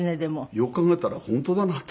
よく考えたら本当だなと。